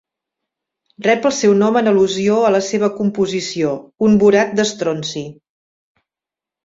Rep el seu nom en al·lusió a la seva composició: un borat d'estronci.